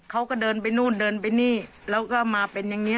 เขาก็เดินไปนู่นเดินไปนี่แล้วก็มาเป็นอย่างนี้